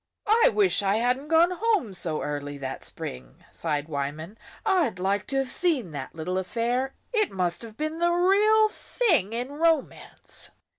"I wish I hadn't gone home so early that spring," sighed Wyman. "I'd like to have seen that little affair. It must have been the real thing in romance."